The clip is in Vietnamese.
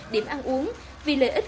điểm ăn uống vì lợi ích